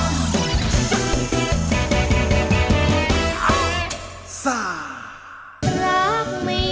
หัวงเจ้าดั่งดวงใจ